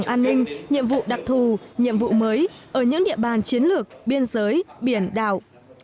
an ninh nhiệm vụ đặc thù nhiệm vụ mới ở những địa bàn chiến lược biên giới biển đảo